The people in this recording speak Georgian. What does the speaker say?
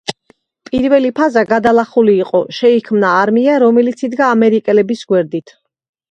პირველი ფაზა გადალახული იყო, შეიქმნა არმია რომელიც იდგა ამერიკელების გვერდით.